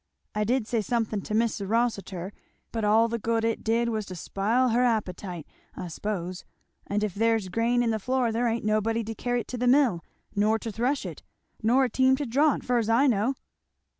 I did say something to Mis' Rossitur, but all the good it did was to spile her appetite, I s'pose; and if there's grain in the floor there ain't nobody to carry it to mill, nor to thresh it, nor a team to draw it, fur's I know."